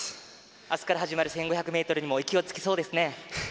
明日から始まる１５００ｍにも勢いがつきそうですね。